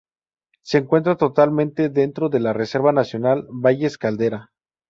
Se encuentra totalmente dentro de la Reserva nacional Valles Caldera.